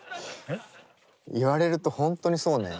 言われると本当にそうね。